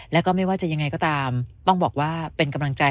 แล้วก็ไม่ว่าจะยังไงก็ตามต้องบอกว่าเป็นกำลังใจ